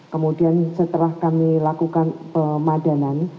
kemudian setelah kami lakukan pemadanan